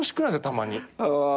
たまに。